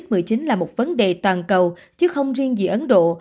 covid một mươi chín là một vấn đề toàn cầu chứ không riêng gì ấn độ